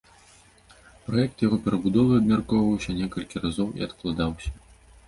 Праект яго перабудовы абмяркоўваўся некалькі разоў і адкладаўся.